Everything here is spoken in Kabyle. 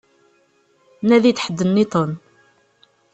Nadi-d ḥedd-nniḍen.